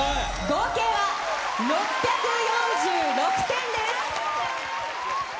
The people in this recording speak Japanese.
合計は６４６点です。